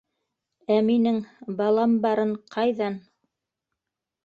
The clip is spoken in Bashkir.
Ә минең... балам барын ҡайҙан...